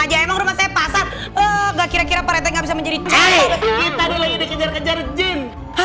aja emang rumah saya pasang oh gak kira kira pak rete nggak bisa menjadi cinta kejar kejar jin